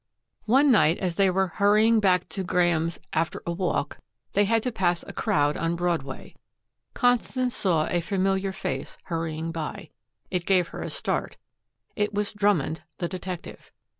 One night as they were hurrying back to Graeme's after a walk, they had to pass a crowd on Broadway. Constance saw a familiar face hurrying by. It gave her a start. It was Drummond, the detective.